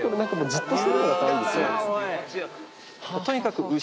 とにかく。